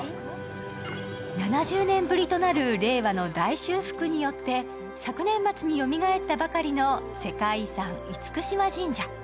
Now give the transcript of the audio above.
７０年ぶりとなる令和の大修復によって昨年末によみがえった世界遺産・厳島神社。